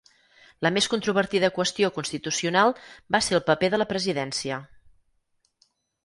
La més controvertida qüestió constitucional va ser el paper de la presidència.